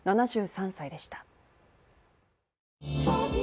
７３歳でした。